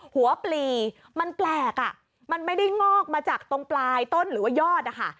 ปลีมันแปลกอ่ะมันไม่ได้งอกมาจากตรงปลายต้นหรือว่ายอดนะคะ